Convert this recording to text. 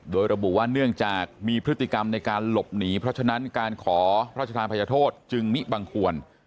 โดยระบุว่าเนื่องจากมีพฤติกรรมในการหลบหนีเพราะฉะนั้นการขอพระราชทานภัยโทษจึงมิบังควร